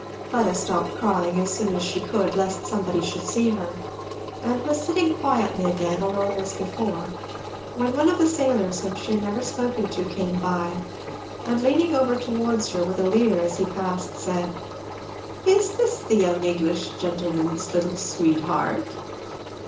Fleda stopped crying as soon as she could, lest somebody should see her; and was sitting quietly again, alone as before, when one of the sailors whom she had never spoken to came by, and leaning over towards her with a leer as he passed, said, "Is this the young English gentleman's little sweetheart?"